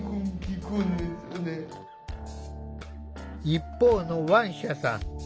一方のワンシャさん。